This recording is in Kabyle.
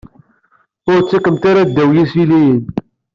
Ur ttekkemt ara ddaw yisiliyen.